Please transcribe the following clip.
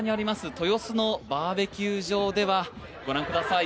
豊洲のバーベキュー場ではご覧ください